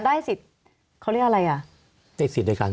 สวัสดีครับทุกคน